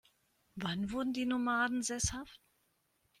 Wann wurden die Nomaden sesshaft?